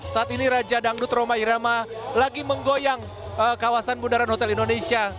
saat ini raja dangdut roma irama lagi menggoyang kawasan bundaran hotel indonesia